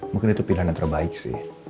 mungkin itu pilihan yang terbaik sih